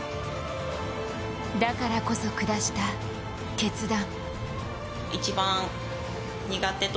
だからこそ下した決断。